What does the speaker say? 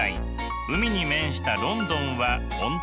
海に面したロンドンは温帯です。